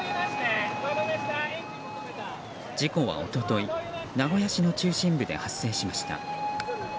事故は一昨日名古屋市の中心部で発生しました。